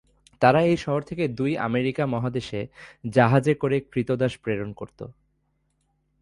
তারা এই শহর থেকে দুই আমেরিকা মহাদেশে জাহাজে করে ক্রীতদাস প্রেরণ করত।